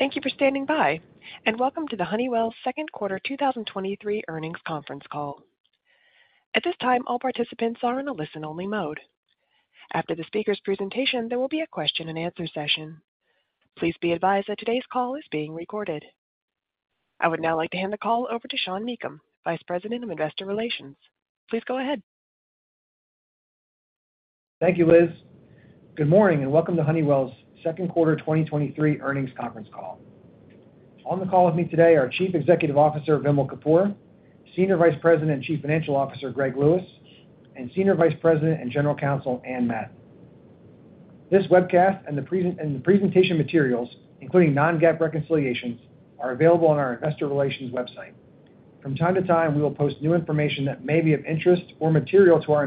Thank you for standing by, and welcome to the Honeywell Second Quarter 2023 Earnings Conference Call. At this time, all participants are in a listen-only mode. After the speaker's presentation, there will be a question-and-answer session. Please be advised that today's call is being recorded. I would now like to hand the call over to Sean Meakim, Vice President of Investor Relations. Please go ahead. Thank you, Liz. Good morning, and welcome to Honeywell's Second Quarter 2023 Earnings Conference Call. On the call with me today are Chief Executive Officer, Vimal Kapur, Senior Vice President and Chief Financial Officer, Greg Lewis, and Senior Vice President and General Counsel, Anne T. Madden. This webcast and the presentation materials, including non-GAAP reconciliations, are available on our investor relations website. From time to time, we will post new information that may be of interest or material to our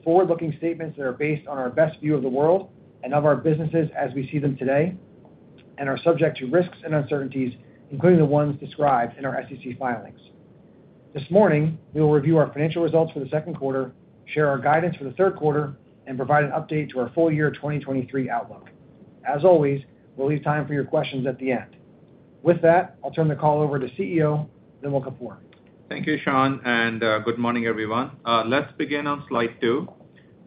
investors on this website. Our discussion today includes forward-looking statements that are based on our best view of the world and of our businesses as we see them today and are subject to risks and uncertainties, including the ones described in our SEC filings. This morning, we will review our financial results for the second quarter, share our guidance for the third quarter, and provide an update to our full year 2023 outlook. As always, we'll leave time for your questions at the end. With that, I'll turn the call over to CEO, Vimal Kapur. Thank you, Sean. Good morning, everyone. Let's begin on slide two.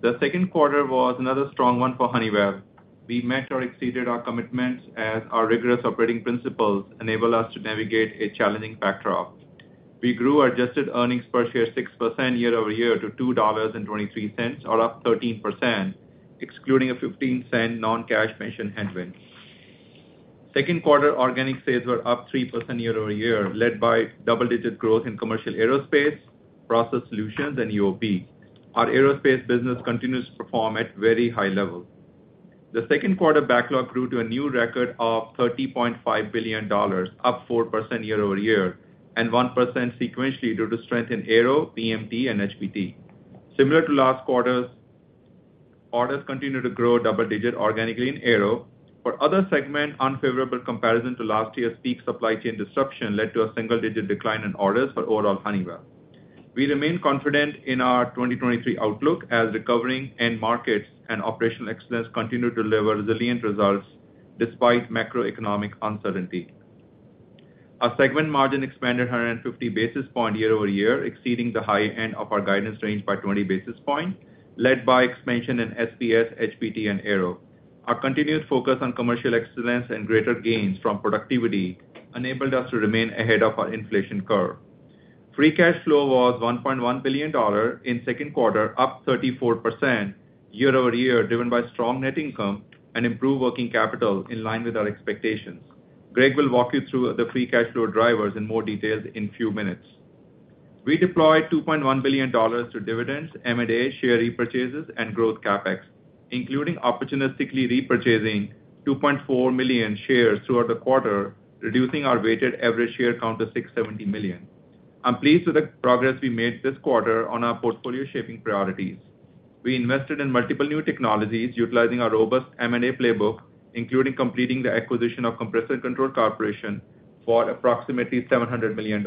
The second quarter was another strong one for Honeywell. We met or exceeded our commitments as our rigorous operating principles enabled us to navigate a challenging backdrop. We grew our adjusted earnings per share 6% year-over-year to $2.23, or up 13%, excluding a $0.15 non-cash pension headwind. Second quarter organic sales were up 3% year-over-year, led by double-digit growth in commercial Aerospace, Process Solutions, and UOP. Our Aerospace business continues to perform at very high levels. The second quarter backlog grew to a new record of $30.5 billion, up 4% year-over-year, and 1% sequentially due to strength in Aero, PMT, and HBT. Similar to last quarter's, orders continued to grow double digits organically in Aero. For other segments, unfavorable comparison to last year's peak supply chain disruption led to a single-digit decline in orders for overall Honeywell. We remain confident in our 2023 outlook as recovering end markets and operational excellence continue to deliver resilient results despite macroeconomic uncertainty. Our segment margin expanded 150 basis points year-over-year, exceeding the high end of our guidance range by 20 basis points, led by expansion in SPS, HBT and Aero. Our continued focus on commercial excellence and greater gains from productivity enabled us to remain ahead of our inflation curve. Free cash flow was $1.1 billion in second quarter, up 34% year-over-year, driven by strong net income and improved working capital in line with our expectations. Greg will walk you through the free cash flow drivers in more details in few minutes. We deployed $2.1 billion to dividends, M&A, share repurchases, and growth CapEx, including opportunistically repurchasing 2.4 million shares throughout the quarter, reducing our weighted average share count to 670 million. I'm pleased with the progress we made this quarter on our portfolio shaping priorities. We invested in multiple new technologies utilizing our robust M&A playbook, including completing the acquisition of Compressor Controls Corporation for approximately $700 million.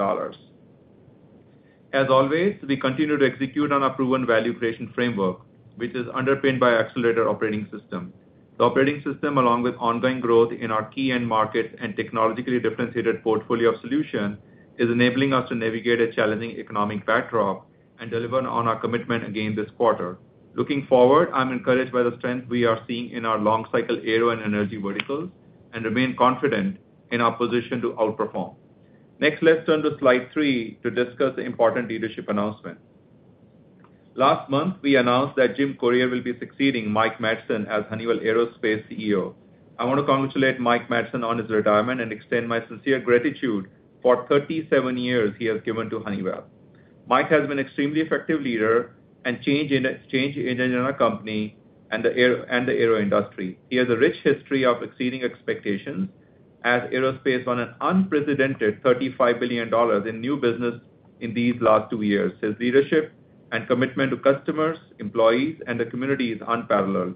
As always, we continue to execute on our proven value creation framework, which is underpinned by Accelerator Operating System. The Operating System, along with ongoing growth in our key end markets and technologically differentiated portfolio of solutions, is enabling us to navigate a challenging economic backdrop and deliver on our commitment again this quarter. Looking forward, I'm encouraged by the strength we are seeing in our long cycle Aero and energy verticals and remain confident in our position to outperform. Let's turn to slide three to discuss the important leadership announcement. Last month, we announced that Jim Currier will be succeeding Mike Madsen as Honeywell Aerospace CEO. I want to congratulate Mike Madsen on his retirement and extend my sincere gratitude for 37 years he has given to Honeywell. Mike has been an extremely effective leader and change agent in our company and the Aero industry. He has a rich history of exceeding expectations as Aerospace on an unprecedented $35 billion in new business in these last two years. His leadership and commitment to customers, employees and the community is unparalleled.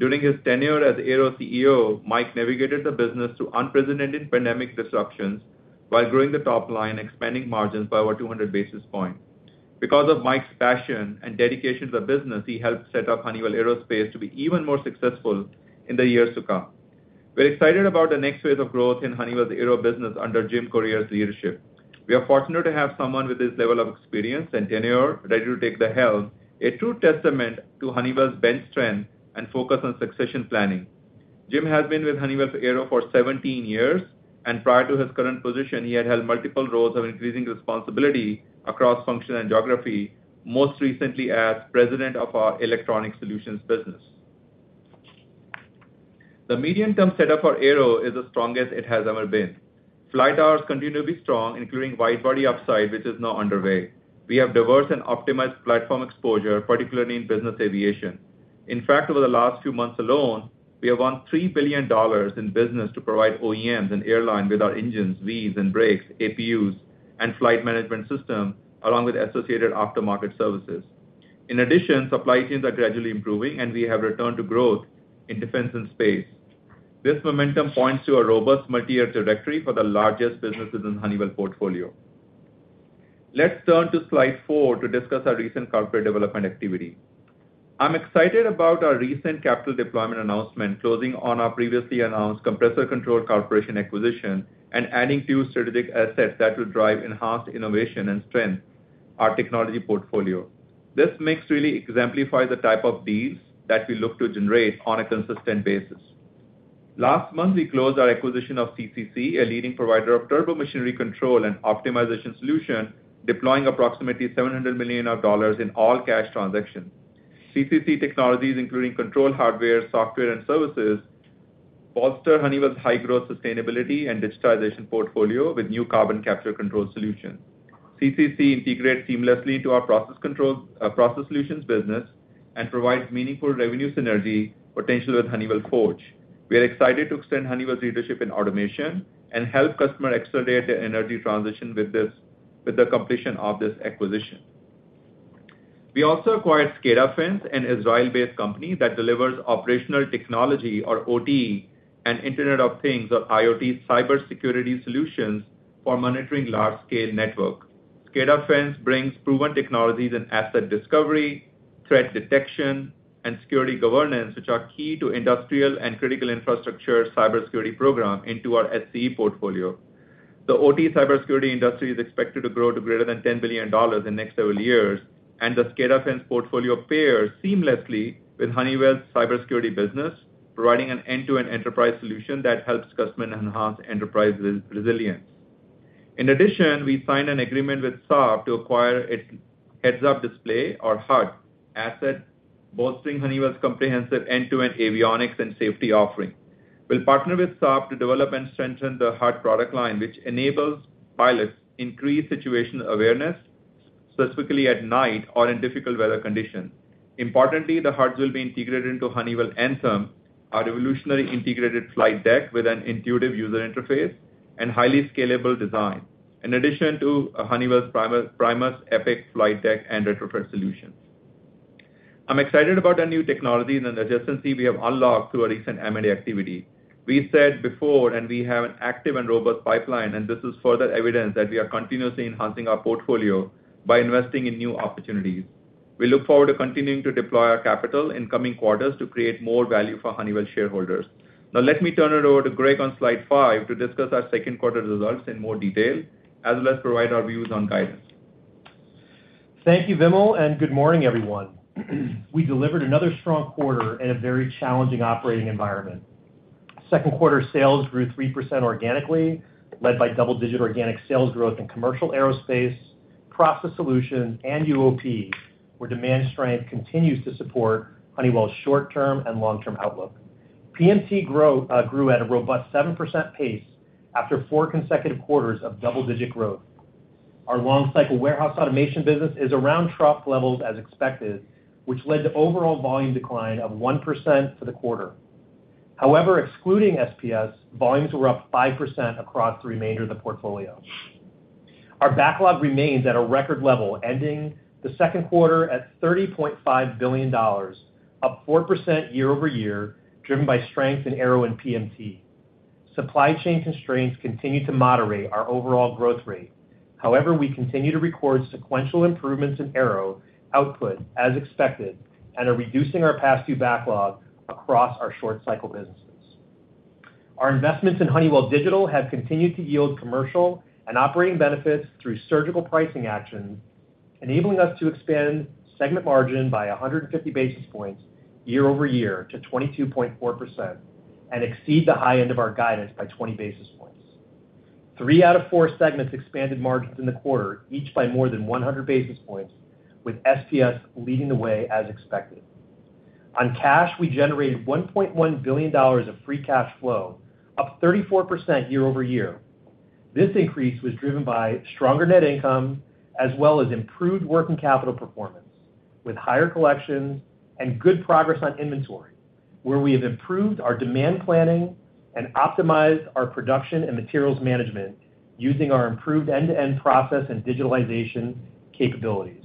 During his tenure as Aero CEO, Mike navigated the business through unprecedented pandemic disruptions while growing the top line, expanding margins by over 200 basis points. Because of Mike's passion and dedication to the business, he helped set up Honeywell Aerospace to be even more successful in the years to come. We're excited about the next phase of growth in Honeywell's Aero business under Jim Currier's leadership. We are fortunate to have someone with this level of experience and tenure ready to take the helm, a true testament to Honeywell's bench strength and focus on succession planning. Jim has been with Honeywell's Aero for 17 years. Prior to his current position, he had held multiple roles of increasing responsibility across function and geography, most recently as President of our Electronic Solutions business. The medium-term setup for Aero is the strongest it has ever been. Flight hours continue to be strong, including wide body upside, which is now underway. We have diverse and optimized platform exposure, particularly in business aviation. In fact, over the last few months alone, we have won $3 billion in business to provide OEMs and airlines with our engines, wheels and brakes, APUs, and flight management system, along with associated aftermarket services. In addition, supply chains are gradually improving, and we have returned to growth in defense and space. This momentum points to a robust multi-year trajectory for the largest businesses in Honeywell portfolio. Let's turn to slide four to discuss our recent corporate development activity. I'm excited about our recent capital deployment announcement, closing on our previously announced Compressor Controls Corporation acquisition and adding few strategic assets that will drive enhanced innovation and strength our technology portfolio. This mix really exemplifies the type of deals that we look to generate on a consistent basis. Last month, we closed our acquisition of CCC, a leading provider of turbomachinery control and optimization solutions, deploying approximately $700 million in all-cash transactions. CCC technologies, including control hardware, software, and services, bolster Honeywell's high-growth sustainability and digitization portfolio with new carbon capture control solutions. CCC integrates seamlessly to our process control, Process Solutions business and provides meaningful revenue synergy potential with Honeywell Forge. We are excited to extend Honeywell's leadership in automation and help customers accelerate their energy transition with the completion of this acquisition. We also acquired SCADAfence, an Israel-based company that delivers operational technology, or OT, and Internet of Things, or IoT, cybersecurity solutions for monitoring large-scale network. SCADAfence brings proven technologies in asset discovery, threat detection, and security governance, which are key to industrial and critical infrastructure cybersecurity program into our SCE portfolio. The OT cybersecurity industry is expected to grow to greater than $10 billion in the next several years. The SCADAfence portfolio pairs seamlessly with Honeywell's cybersecurity business, providing an end-to-end enterprise solution that helps customers enhance enterprise resilience. In addition, we signed an agreement with Saab to acquire its Heads-Up Display, or HUD, asset, bolstering Honeywell's comprehensive end-to-end avionics and safety offering. We'll partner with Saab to develop and strengthen the HUD product line, which enables pilots increased situational awareness, specifically at night or in difficult weather conditions. Importantly, the HUDs will be integrated into Honeywell Anthem, our revolutionary integrated flight deck with an intuitive user interface and highly scalable design, in addition to Honeywell's Primus Epic flight deck and retrofit solutions. I'm excited about the new technology and the adjacency we have unlocked through our recent M&A activity. We said before, and we have an active and robust pipeline, and this is further evidence that we are continuously enhancing our portfolio by investing in new opportunities. We look forward to continuing to deploy our capital in coming quarters to create more value for Honeywell shareholders. Now, let me turn it over to Greg on slide five to discuss our second quarter results in more detail, as well as provide our views on guidance. Thank you, Vimal, and good morning, everyone. We delivered another strong quarter in a very challenging operating environment. Second quarter sales grew 3% organically, led by double-digit organic sales growth in commercial aerospace, Process Solutions, and UOP, where demand strength continues to support Honeywell's short-term and long-term outlook. PMT growth grew at a robust 7% pace after 4 consecutive quarters of double-digit growth. Our long cycle warehouse automation business is around trough levels as expected, which led to overall volume decline of 1% for the quarter. Excluding SPS, volumes were up 5% across the remainder of the portfolio. Our backlog remains at a record level, ending the second quarter at $30.5 billion, up 4% year-over-year, driven by strength in Aero and PMT. Supply chain constraints continue to moderate our overall growth rate. We continue to record sequential improvements in Aero output as expected and are reducing our past due backlog across our short cycle businesses. Our investments in Honeywell Digital have continued to yield commercial and operating benefits through surgical pricing actions, enabling us to expand segment margin by 150 basis points year-over-year to 22.4% and exceed the high end of our guidance by 20 basis points. Three out of four segments expanded margins in the quarter, each by more than 100 basis points, with SPS leading the way as expected. On cash, we generated $1.1 billion of free cash flow, up 34% year-over-year. This increase was driven by stronger net income, as well as improved working capital performance, with higher collections and good progress on inventory, where we have improved our demand planning and optimized our production and materials management using our improved end-to-end process and digitalization capabilities.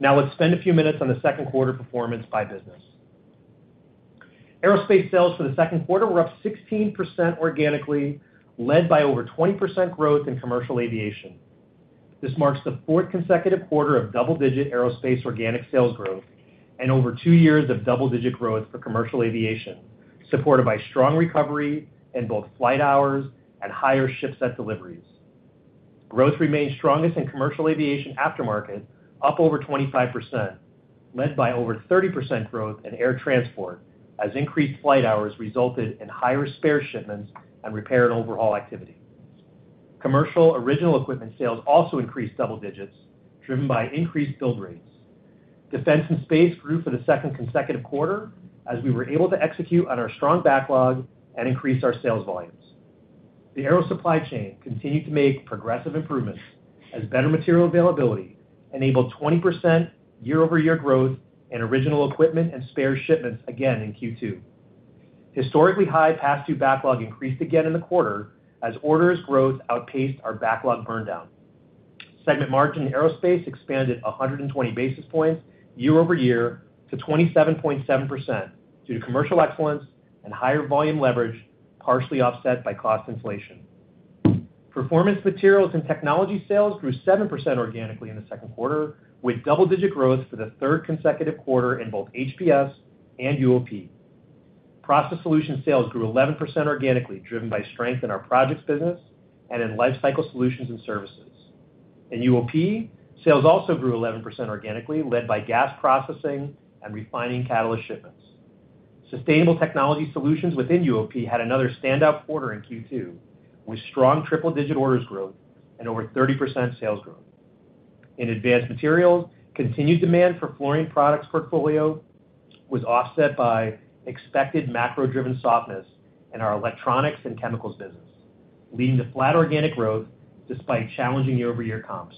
Let's spend a few minutes on the second quarter performance by business. Aerospace sales for the second quarter were up 16% organically, led by over 20% growth in commercial aviation. This marks the fourth consecutive quarter of double-digit Aerospace organic sales growth and over two years of double-digit growth for commercial aviation, supported by strong recovery in both flight hours and higher ship set deliveries. Growth remains strongest in commercial aviation aftermarket, up over 25%, led by over 30% growth in air transport, as increased flight hours resulted in higher spare shipments and repair and overhaul activity. Commercial original equipment sales also increased double digits, driven by increased build rates. Defense and space grew for the second consecutive quarter, as we were able to execute on our strong backlog and increase our sales volumes. The Aero supply chain continued to make progressive improvements as better material availability enabled 20% year-over-year growth in original equipment and spare shipments again in Q2. Historically, high past due backlog increased again in the quarter as orders growth outpaced our backlog burn down. Segment margin in Aerospace expanded 120 basis points year-over-year to 27.7%, due to commercial excellence and higher volume leverage, partially offset by cost inflation. Performance Materials and Technologies sales grew 7% organically in the second quarter, with double-digit growth for the third consecutive quarter in both HPS and UOP. Process Solutions sales grew 11% organically, driven by strength in our projects business and in Lifecycle Solutions and Services. In UOP, sales also grew 11% organically, led by gas processing and refining catalyst shipments. Sustainable Technology Solutions within UOP had another standout quarter in Q2, with strong triple-digit orders growth and over 30% sales growth. In Advanced Materials, continued demand for fluorine products portfolio was offset by expected macro-driven softness in our electronics and chemicals business, leading to flat organic growth despite challenging year-over-year comps.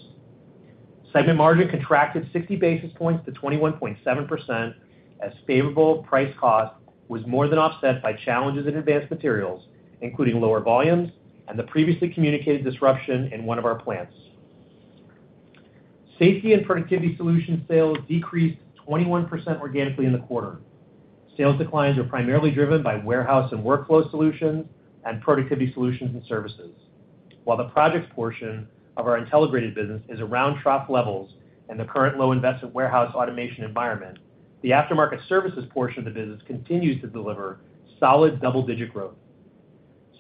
Segment margin contracted 60 basis points to 21.7%, as favorable price cost was more than offset by challenges in Advanced Materials, including lower volumes and the previously communicated disruption in one of our plants. Safety and Productivity Solutions sales decreased 21% organically in the quarter. Sales declines were primarily driven by Warehouse and Workflow Solutions and Productivity Solutions and Services. While the projects portion of our Intelligrated business is around trough levels and the current low investment warehouse automation environment, the aftermarket services portion of the business continues to deliver solid double-digit growth.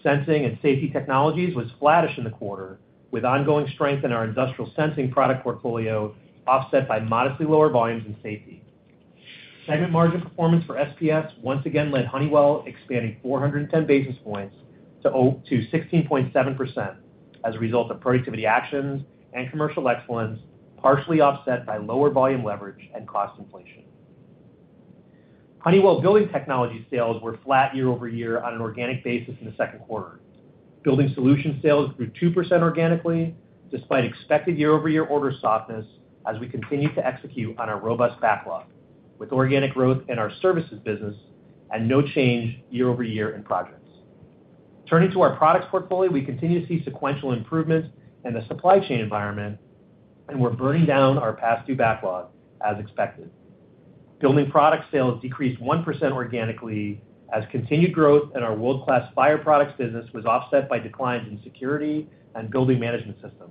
Sensing and Safety Technologies was flattish in the quarter, with ongoing strength in our industrial sensing product portfolio, offset by modestly lower volumes and safety. Segment margin performance for SPS once again led Honeywell, expanding 410 basis points to 16.7% as a result of productivity actions and commercial excellence, partially offset by lower volume leverage and cost inflation. Honeywell Building Technologies sales were flat year-over-year on an organic basis in the second quarter. Building Solutions sales grew 2% organically, despite expected year-over-year order softness as we continue to execute on our robust backlog, with organic growth in our services business and no change year-over-year in projects. Turning to our products portfolio, we continue to see sequential improvements in the supply chain environment, and we're burning down our past due backlog as expected. Building Products sales decreased 1% organically as continued growth in our world-class fire products business was offset by declines in security and building management systems.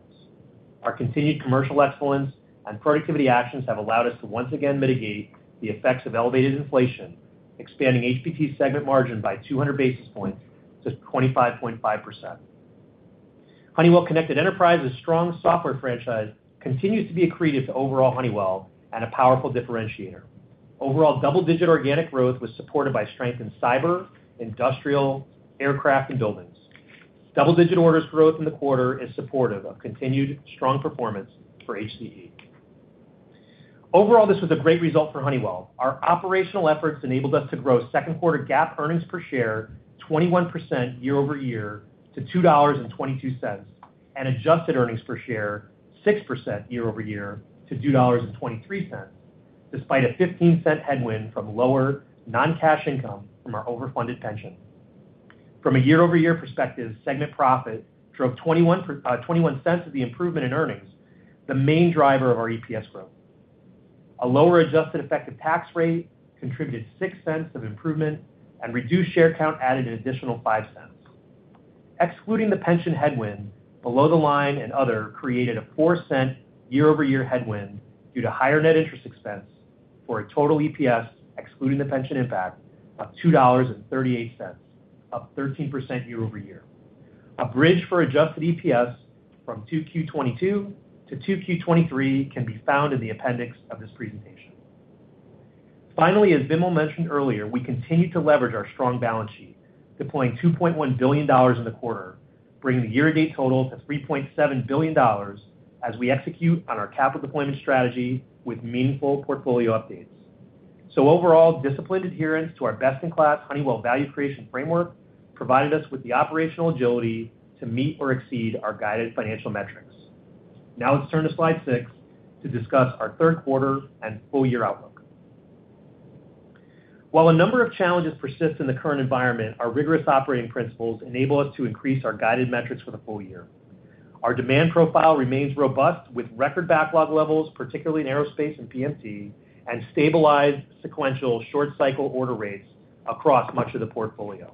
Our continued commercial excellence and productivity actions have allowed us to once again mitigate the effects of elevated inflation, expanding HBT segment margin by 200 basis points to 25.5%. Honeywell Connected Enterprise's strong software franchise continues to be accretive to overall Honeywell and a powerful differentiator. Overall, double-digit organic growth was supported by strength in cyber, industrial, aircraft, and buildings. Double-digit orders growth in the quarter is supportive of continued strong performance for HCE. Overall, this was a great result for Honeywell. Our operational efforts enabled us to grow second quarter GAAP earnings per share 21% year-over-year to $2.22, and adjusted earnings per share 6% year-over-year to $2.23, despite a $0.15 headwind from lower non-cash income from our overfunded pension. From a year-over-year perspective, segment profit drove $0.21 of the improvement in earnings, the main driver of our EPS growth. A lower adjusted effective tax rate contributed $0.06 of improvement, and reduced share count added an additional $0.05. Excluding the pension headwind, below the line and other created a $0.04 year-over-year headwind due to higher net interest expense for a total EPS, excluding the pension impact, of $2.38, up 13% year-over-year. A bridge for adjusted EPS from 2Q 2022 to 2Q 2023 can be found in the appendix of this presentation. Finally, as Vimal mentioned earlier, we continue to leverage our strong balance sheet, deploying $2.1 billion in the quarter, bringing the year-to-date total to $3.7 billion as we execute on our capital deployment strategy with meaningful portfolio updates. Overall, disciplined adherence to our best-in-class Honeywell value creation framework provided us with the operational agility to meet or exceed our guided financial metrics. Let's turn to slide six to discuss our third quarter and full year outlook. While a number of challenges persist in the current environment, our rigorous operating principles enable us to increase our guided metrics for the full year. Our demand profile remains robust, with record backlog levels, particularly in Aerospace and PMT, and stabilized sequential short cycle order rates across much of the portfolio.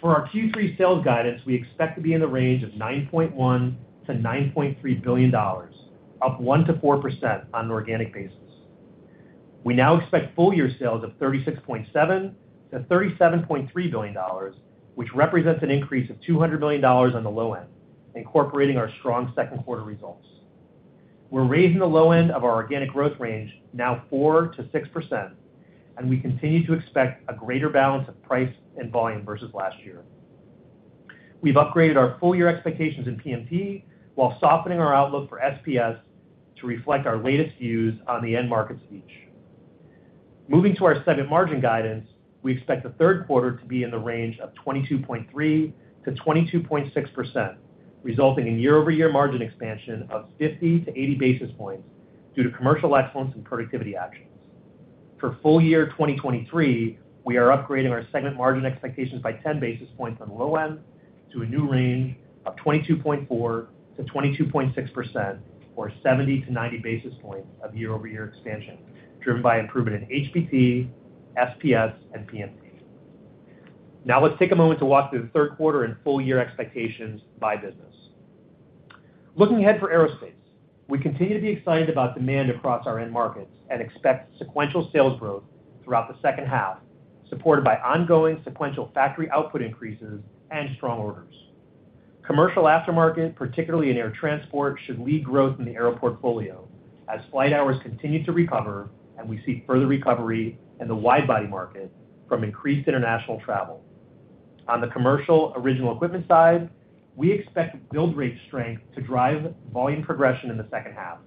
For our Q3 sales guidance, we expect to be in the range of $9.1 billion-$9.3 billion, up 1%-4% on an organic basis. We now expect full year sales of $36.7 billion-$37.3 billion, which represents an increase of $200 million on the low end, incorporating our strong second quarter results. We're raising the low end of our organic growth range, now 4%-6%, and we continue to expect a greater balance of price and volume versus last year. We've upgraded our full year expectations in PMT, while softening our outlook for SPS to reflect our latest views on the end markets each. Moving to our segment margin guidance, we expect the third quarter to be in the range of 22.3%-22.6%, resulting in year-over-year margin expansion of 50 to 80 basis points due to commercial excellence and productivity actions. For full year 2023, we are upgrading our segment margin expectations by 10 basis points on the low end to a new range of 22.4%-22.6%, or 70 to 90 basis points of year-over-year expansion, driven by improvement in HBT, SPS, and PMT. Let's take a moment to walk through the third quarter and full year expectations by business. Looking ahead for aerospace, we continue to be excited about demand across our end markets and expect sequential sales growth throughout the second half, supported by ongoing sequential factory output increases and strong orders. Commercial aftermarket, particularly in air transport, should lead growth in the Aero portfolio as flight hours continue to recover and we see further recovery in the wide-body market from increased international travel. On the commercial original equipment side, we expect build rate strength to drive volume progression in the second half.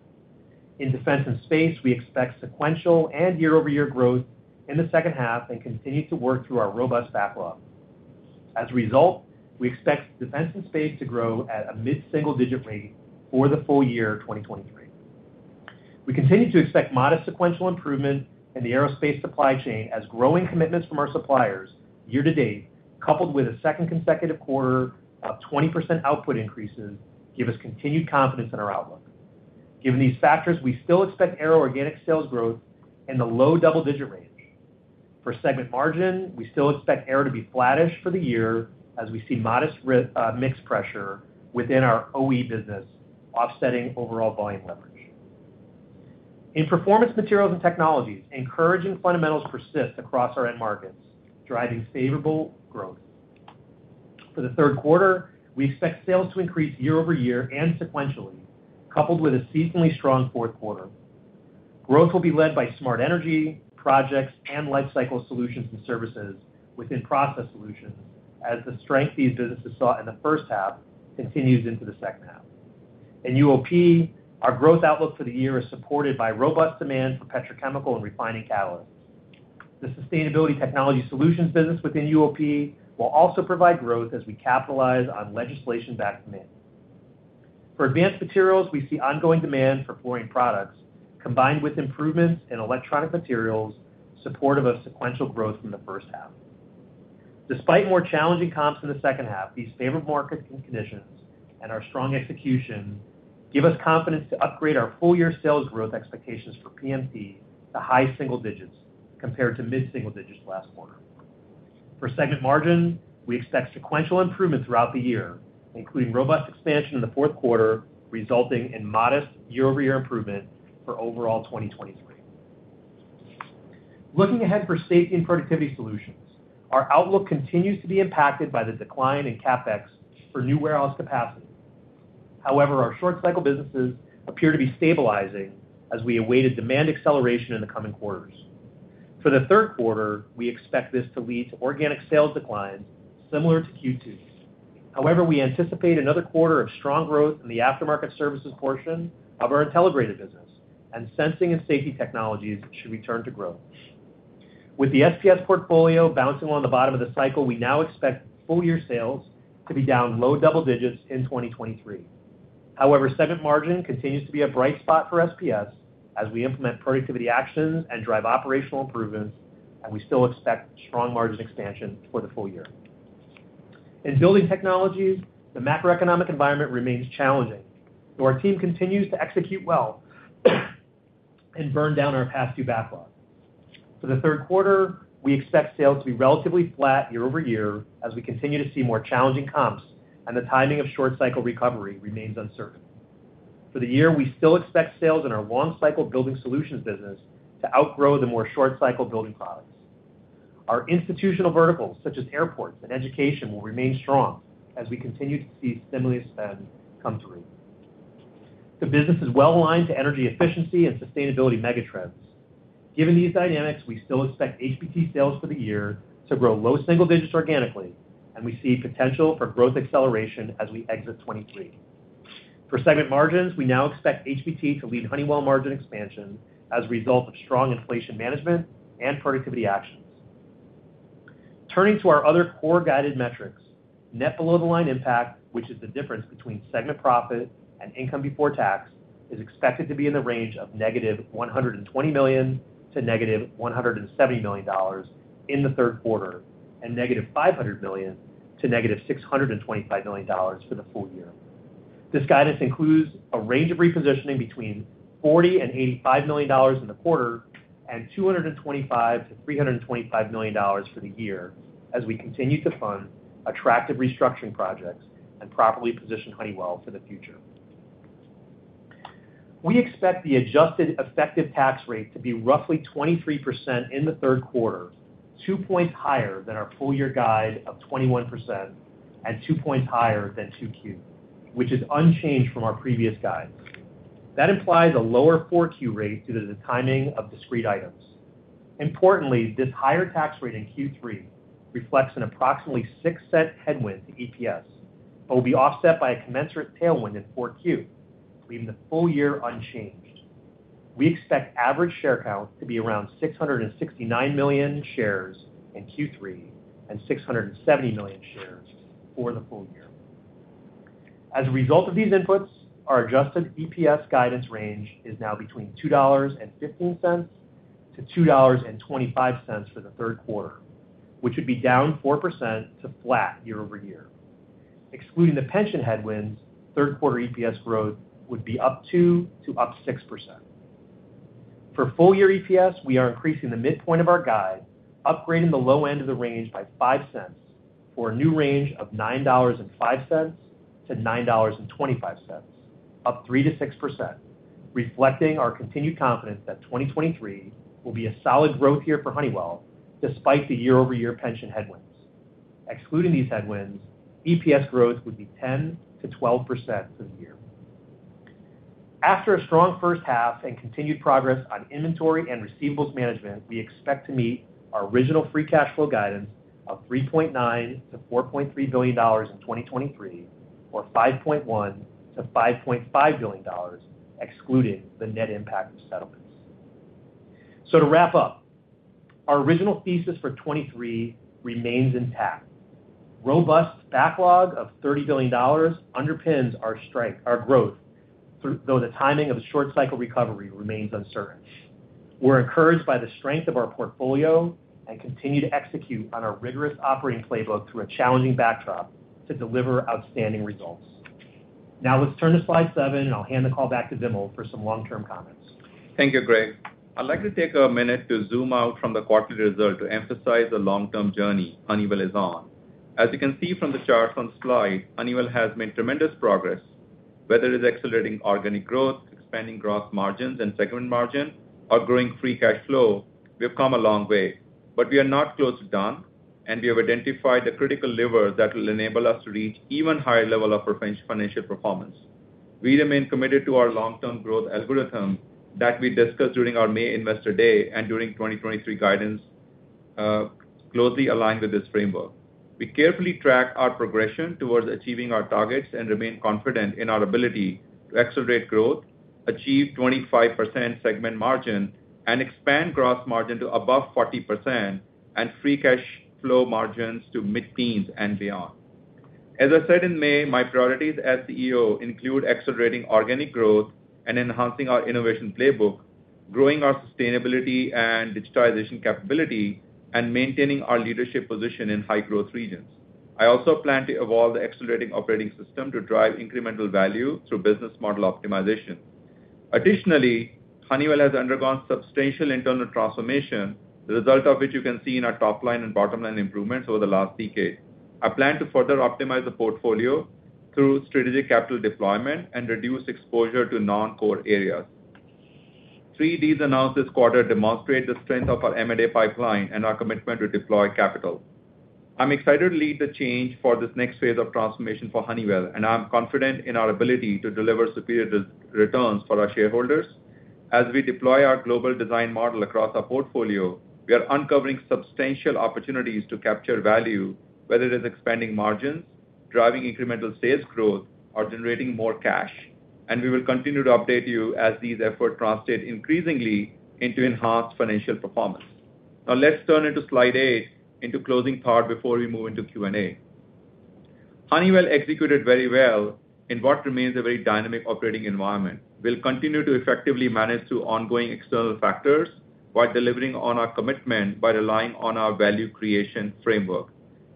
In defense and space, we expect sequential and year-over-year growth in the second half and continue to work through our robust backlog. As a result, we expect defense and space to grow at a mid-single-digit rate for the full year 2023. We continue to expect modest sequential improvement in the aerospace supply chain as growing commitments from our suppliers year-to-date, coupled with a second consecutive quarter of 20% output increases, give us continued confidence in our outlook. Given these factors, we still expect Aero organic sales growth in the low double-digit range. For segment margin, we still expect Aero to be flattish for the year as we see modest mix pressure within our OE business, offsetting overall volume leverage. In Performance Materials and Technologies, encouraging fundamentals persist across our end markets, driving favorable growth. For the third quarter, we expect sales to increase year-over-year and sequentially, coupled with a seasonally strong fourth quarter. Growth will be led by Smart Energy, projects, and life cycle solutions and services within Process Solutions, as the strength these businesses saw in the first half continues into the second half. In UOP, our growth outlook for the year is supported by robust demand for petrochemical and refining catalysts. The Sustainable Technology Solutions business within UOP will also provide growth as we capitalize on legislation-backed demand. For Advanced Materials, we see ongoing demand for fluorine products, combined with improvements in electronic materials, supportive of sequential growth from the first half. Despite more challenging comps in the second half, these favorable markets and conditions and our strong execution give us confidence to upgrade our full-year sales growth expectations for PMT to high single digits compared to mid-single digits last quarter. For segment margin, we expect sequential improvement throughout the year, including robust expansion in the fourth quarter, resulting in modest year-over-year improvement for overall 2023. Looking ahead for Safety and Productivity Solutions, our outlook continues to be impacted by the decline in CapEx for new warehouse capacity. Our short cycle businesses appear to be stabilizing as we awaited demand acceleration in the coming quarters. For the third quarter, we expect this to lead to organic sales decline similar to Q2. We anticipate another quarter of strong growth in the aftermarket services portion of our Intelligrated business, and Sensing and Safety Technologies should return to growth. With the SPS portfolio bouncing on the bottom of the cycle, we now expect full year sales to be down low double digits in 2023. Segment margin continues to be a bright spot for SPS as we implement productivity actions and drive operational improvements, and we still expect strong margin expansion for the full year. In Building Technologies, the macroeconomic environment remains challenging, though our team continues to execute well and burn down our past due backlog. For the third quarter, we expect sales to be relatively flat year-over-year as we continue to see more challenging comps and the timing of short cycle recovery remains uncertain. For the year, we still expect sales in our long cycle Building Solutions business to outgrow the more short cycle Building Products. Our institutional verticals, such as airports and education, will remain strong as we continue to see stimulus spend come through. The business is well aligned to energy efficiency and sustainability megatrends. Given these dynamics, we still expect HBT sales for the year to grow low single digits organically, and we see potential for growth acceleration as we exit 2023. For segment margins, we now expect HBT to lead Honeywell margin expansion as a result of strong inflation management and productivity actions. Turning to our other core guided metrics, net below-the-line impact, which is the difference between segment profit and income before tax, is expected to be in the range of negative $120 million to negative $170 million in the third quarter, and negative $500 million to negative $625 million for the full year. This guidance includes a range of repositioning between $40 million and $85 million in the quarter and $225 million-$325 million for the year, as we continue to fund attractive restructuring projects and properly position Honeywell for the future. We expect the adjusted effective tax rate to be roughly 23% in the third quarter, 2 points higher than our full year guide of 21% and 2 points higher than 2Q, which is unchanged from our previous guide. That implies a lower 4Q rate due to the timing of discrete items. Importantly, this higher tax rate in Q3 reflects an approximately $0.06 headwind to EPS, but will be offset by a commensurate tailwind in 4Q, leaving the full year unchanged. We expect average share count to be around 669 million shares in Q3 and 670 million shares for the full year. As a result of these inputs, our adjusted EPS guidance range is now between $2.15-$2.25 for the third quarter, which would be down 4% to flat year-over-year. Excluding the pension headwinds, third quarter EPS growth would be +2% to +6%. For full year EPS, we are increasing the midpoint of our guide, upgrading the low end of the range by $0.05, for a new range of $9.05-$9.25, +3% to +6%, reflecting our continued confidence that 2023 will be a solid growth year for Honeywell, despite the year-over-year pension headwinds. Excluding these headwinds, EPS growth would be 10%-12% for the year. After a strong first half and continued progress on inventory and receivables management, we expect to meet our original free cash flow guidance of $3.9 billion-$4.3 billion in 2023, or $5.1 billion-$5.5 billion, excluding the net impact of settlements. To wrap up, our original thesis for 2023 remains intact. Robust backlog of $30 billion underpins our strength, our growth, though the timing of the short cycle recovery remains uncertain. We're encouraged by the strength of our portfolio and continue to execute on our rigorous operating playbook through a challenging backdrop to deliver outstanding results. Now let's turn to slide seven, and I'll hand the call back to Vimal for some long-term comments. Thank you, Greg. I'd like to take a minute to zoom out from the quarterly result to emphasize the long-term journey Honeywell is on. As you can see from the charts on slide, Honeywell has made tremendous progress, whether it is accelerating organic growth, expanding gross margins and segment margin, or growing free cash flow, we have come a long way, but we are not close to done, and we have identified the critical levers that will enable us to reach even higher level of financial performance. We remain committed to our long-term growth algorithm that we discussed during our May Investor Day and during 2023 guidance, closely aligned with this framework. We carefully track our progression towards achieving our targets and remain confident in our ability to accelerate growth, achieve 25% segment margin, and expand gross margin to above 40% and free cash flow margins to mid-teens and beyond. As I said in May, my priorities as CEO include accelerating organic growth and enhancing our innovation playbook, growing our sustainability and digitalization capability, and maintaining our leadership position in high-growth regions. I also plan to evolve the accelerating operating system to drive incremental value through business model optimization. Additionally, Honeywell has undergone substantial internal transformation, the result of which you can see in our top line and bottom line improvements over the last decade. I plan to further optimize the portfolio through strategic capital deployment and reduce exposure to non-core areas. Three deals announced this quarter demonstrate the strength of our M&A pipeline and our commitment to deploy capital. I'm excited to lead the change for this next phase of transformation for Honeywell, and I'm confident in our ability to deliver superior re-returns for our shareholders. As we deploy our global design model across our portfolio, we are uncovering substantial opportunities to capture value, whether it is expanding margins, driving incremental sales growth, or generating more cash, and we will continue to update you as these efforts translate increasingly into enhanced financial performance. Let's turn into slide eight, into closing part before we move into Q&A. Honeywell executed very well in what remains a very dynamic operating environment. We'll continue to effectively manage through ongoing external factors while delivering on our commitment by relying on our value creation framework.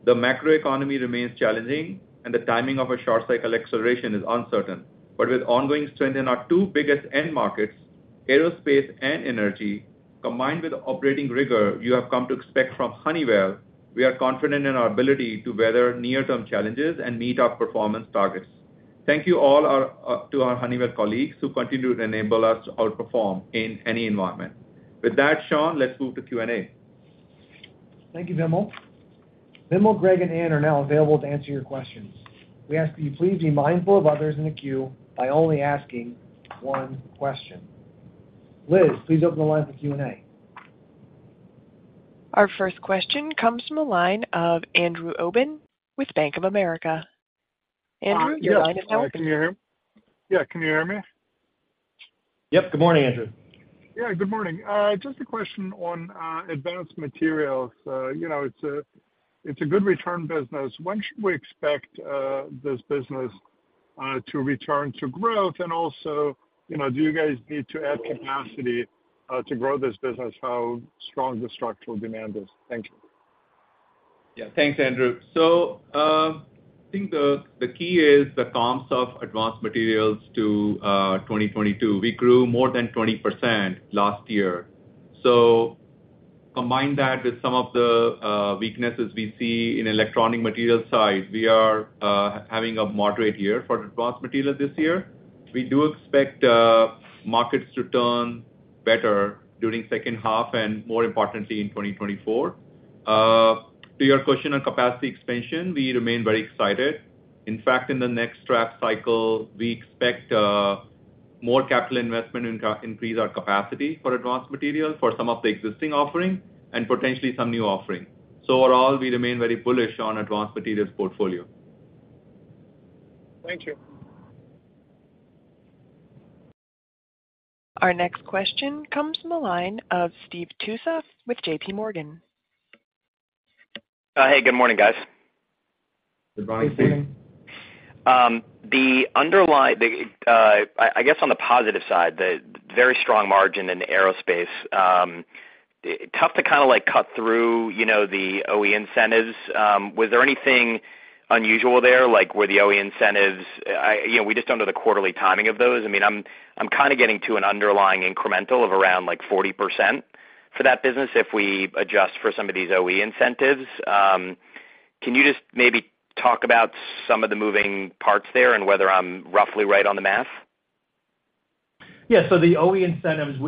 The macroeconomy remains challenging, and the timing of a short cycle acceleration is uncertain, but with ongoing strength in our two biggest end markets, aerospace and energy, combined with the operating rigor you have come to expect from Honeywell, we are confident in our ability to weather near-term challenges and meet our performance targets. Thank you all to our Honeywell colleagues, who continue to enable us to outperform in any environment. With that, Sean, let's move to Q&A. Thank you, Vimal. Vimal, Greg, and Anne are now available to answer your questions. We ask that you please be mindful of others in the queue by only asking one question. Liz, please open the line for Q&A. Our first question comes from the line of Andrew Obin with Bank of America. Andrew, your line is open. Yeah, can you hear me? Yep. Good morning, Andrew. Yeah, good morning. Just a question on Advanced Materials. You know, it's a good return business. When should we expect this business to return to growth? Also, you know, do you guys need to add capacity to grow this business? How strong the structural demand is? Thank you. Yeah, thanks, Andrew. I think the key is the comps of Advanced Materials to 2022. We grew more than 20% last year. Combine that with some of the weaknesses we see in electronic material side, we are having a moderate year for Advanced Materials this year. We do expect markets to turn better during second half and more importantly, in 2024. To your question on capacity expansion, we remain very excited. In fact, in the next draft cycle, we expect more capital investment and increase our capacity for Advanced Materials for some of the existing offerings and potentially some new offerings. Overall, we remain very bullish on Advanced Materials portfolio. Thank you. Our next question comes from the line of Steve Tusa with J.P. Morgan. Hey, good morning, guys. Good morning, Steve. I guess on the positive side, the very strong margin in the Aerospace, tough to kind of like, cut through, you know, the OE incentives. Was there anything unusual there, like were the OE incentives... You know, we just don't know the quarterly timing of those. I mean, I'm kind of getting to an underlying incremental of around like 40% for that business, if we adjust for some of these OE incentives. Can you just maybe talk about some of the moving parts there and whether I'm roughly right on the math? Yeah. The OE incentives,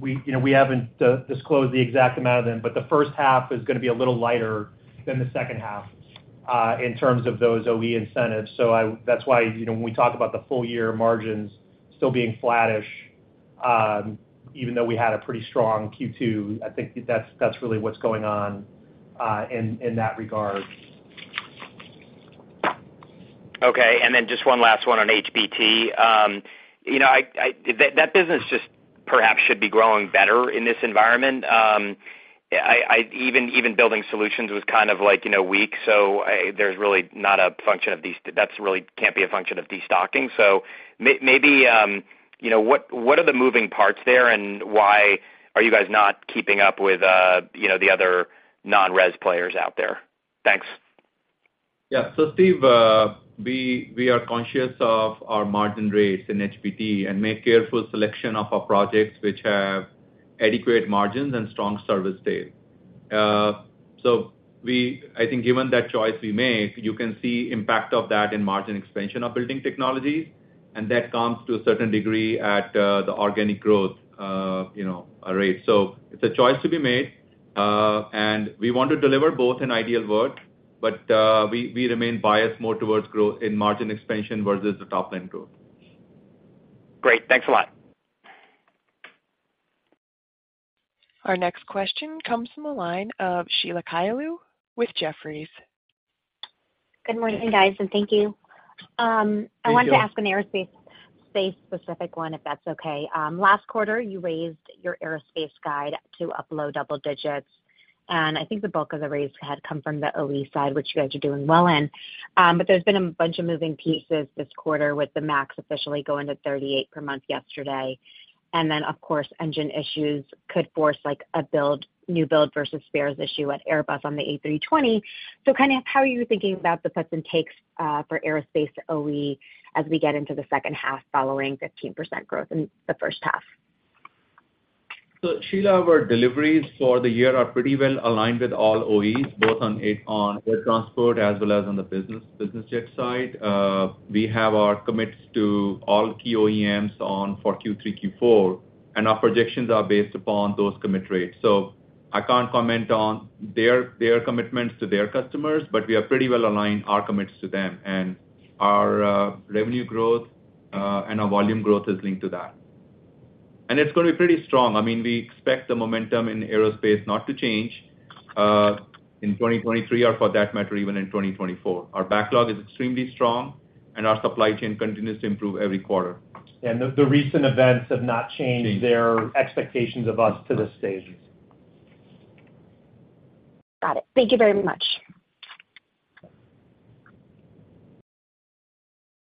we, you know, we haven't disclosed the exact amount of them, but the first half is gonna be a little lighter than the second half, in terms of those OE incentives. That's why, you know, when we talk about the full year margins still being flattish, even though we had a pretty strong Q2, I think that's really what's going on in that regard. Just one last one on HBT. You know, that business just perhaps should be growing better in this environment. You know, even Building Solutions was kind of like, you know, weak. There's really not a function of these that's really can't be a function of destocking. Maybe, you know, what, what are the moving parts there, and why are you guys not keeping up with, you know, the other non-res players out there? Thanks. Steve, we are conscious of our margin rates in HBT and make careful selection of our projects which have adequate margins and strong service days. I think given that choice we made, you can see impact of that in margin expansion of Building Technologies, and that comes to a certain degree at the organic growth, you know, rate. It's a choice to be made, and we want to deliver both in ideal world, but we remain biased more towards growth in margin expansion versus the top line growth. Great. Thanks a lot. Our next question comes from the line of Sheila Kahyaoglu with Jefferies. Good morning, guys, and thank you. Thank you. I wanted to ask an Aerospace specific one, if that's okay. Last quarter, you raised your Aerospace guide to up low double digits, and I think the bulk of the raise had come from the OE side, which you guys are doing well in. But there's been a bunch of moving pieces this quarter, with the MAX officially going to 38 per month yesterday. Then, of course, engine issues could force, like a build, new build versus spares issue at Airbus on the A320. Kind of how are you thinking about the puts and takes for Aerospace OE as we get into the second half, following 15% growth in the first half? Sheila, our deliveries for the year are pretty well aligned with all OEs, both on air transport as well as on the business jet side. We have our commits to all key OEMs for Q3, Q4, and our projections are based upon those commit rates. I can't comment on their commitments to their customers, but we are pretty well aligned our commits to them, and our revenue growth, and our volume growth is linked to that. It's gonna be pretty strong. I mean, we expect the momentum in Aerospace not to change in 2023 or for that matter, even in 2024. Our backlog is extremely strong, and our supply chain continues to improve every quarter. The recent events have not changed their expectations of us to this stage. Got it. Thank you very much.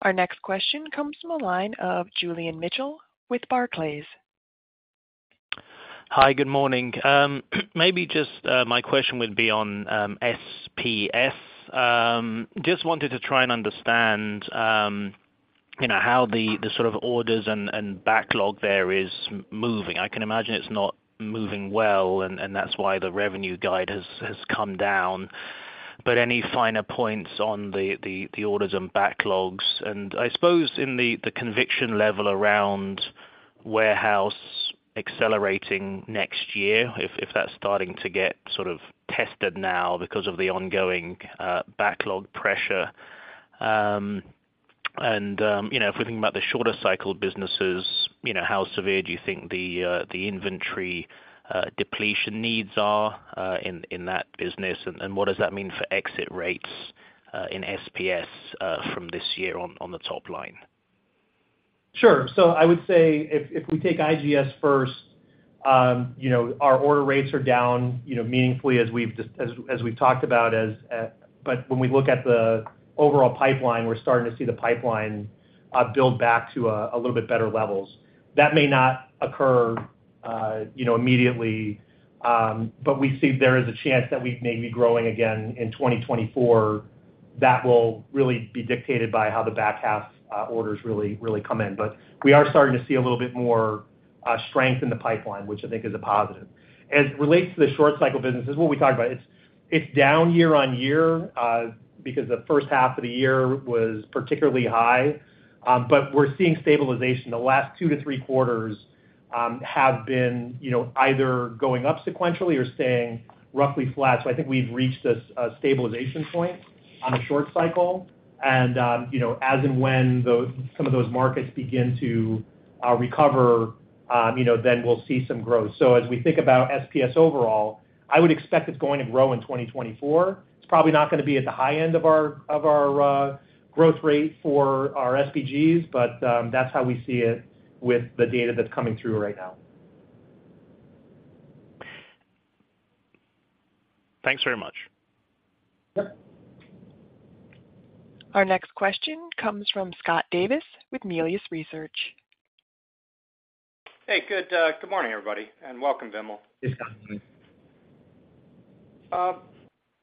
Our next question comes from the line of Julian Mitchell with Barclays. Hi, good morning. Maybe just my question would be on SPS. Just wanted to try and understand, you know, how the sort of orders and backlog there is moving. I can imagine it's not moving well, and that's why the revenue guide has come down, but any finer points on the orders and backlogs, and I suppose in the conviction level around warehouse accelerating next year, if that's starting to get sort of tested now because of the ongoing backlog pressure. And, you know, if we think about the shorter cycle businesses, you know, how severe do you think the inventory depletion needs are in that business? And what does that mean for exit rates in SPS from this year on the top line? Sure. I would say if, if we take IGS first, you know, our order rates are down, you know, meaningfully as we've talked about. When we look at the overall pipeline, we're starting to see the pipeline build back to a little bit better levels. That may not occur, you know, immediately, but we see there is a chance that we may be growing again in 2024. That will really be dictated by how the back half orders really come in. We are starting to see a little bit more strength in the pipeline, which I think is a positive. As it relates to the short cycle business, this is what we talked about. It's down year-over-year because the first half of the year was particularly high, but we're seeing stabilization. The last two-three quarters have been, you know, either going up sequentially or staying roughly flat. I think we've reached a stabilization point on the short cycle, and, you know, as and when those, some of those markets begin to recover, you know, then we'll see some growth. As we think about SPS overall, I would expect it's going to grow in 2024. It's probably not gonna be at the high end of our growth rate for our SPGs, but, that's how we see it with the data that's coming through right now. Thanks very much. Our next question comes from Scott Davis with Melius Research. Hey, good, good morning, everybody, and welcome, Vimal. Hey, Scott.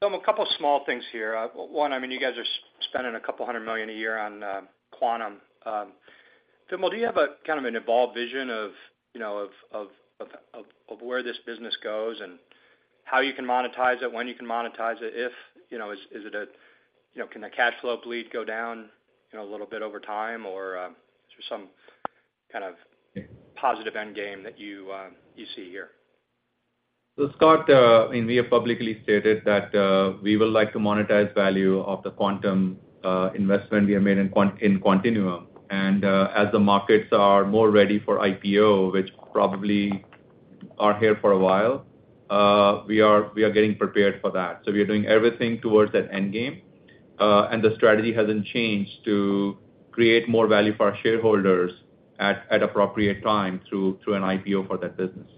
A couple of small things here. One, I mean, you guys are spending a couple hundred million a year on Quantum. Vimal, do you have a kind of an evolved vision of, you know, where this business goes and how you can monetize it, when you can monetize it? If, you know, is it a, you know, can the cash flow bleed go down, you know, a little bit over time, or is there some kind of positive end game that you see here? Scott, I mean, we have publicly stated that we would like to monetize value of the Quantum investment we have made in Quantinuum. As the markets are more ready for IPO, which probably are here for a while, we are getting prepared for that. We are doing everything towards that end game, and the strategy hasn't changed to create more value for our shareholders at appropriate time through an IPO for that business.